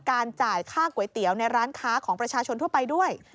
จ่ายค่าก๋วยเตี๋ยวในร้านค้าของประชาชนทั่วไปด้วย